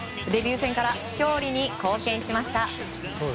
デビュー戦から勝利に貢献しました。